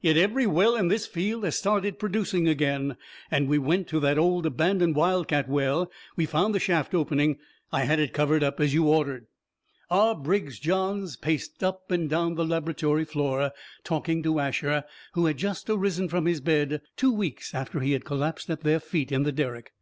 Yet, every well in this field has started producing again! And when we went to that old, abandoned wildcat well, we found the shaft opening! I had it covered up, as you ordered." R. Briggs Johns paced up and down the laboratory floor, talking to Asher, who had just arisen from his bed, two weeks after he had collapsed at their feet in the derrick.